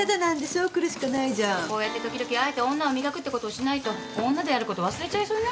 こうやって時々あえて女を磨くってことをしないと女であること忘れちゃいそうになるのよね。